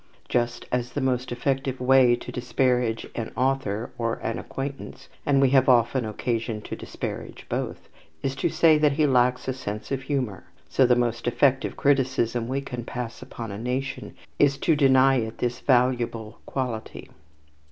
Just as the most effective way to disparage an author or an acquaintance and we have often occasion to disparage both is to say that he lacks a sense of humour, so the most effective criticism we can pass upon a nation is to deny it this valuable quality.